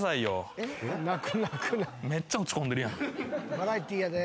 バラエティーやで。